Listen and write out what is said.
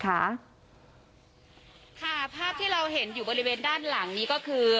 ค่ะภาพที่เราเห็นอยู่บริเวณด้านหลังนี้ก็คือ